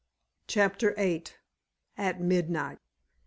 CHAPTER VIII. AT MIDNIGHT.